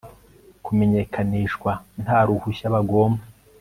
kumenyekanishwa nta ruhushya bagomba